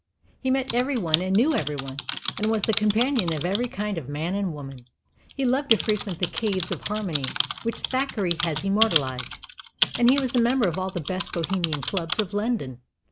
He met every one and knew every one, and was the companion of every kind of man and woman. He loved to frequent the "caves of harmony" which Thackeray has immortalized, and he was a member of all the best Bohemian clubs of London.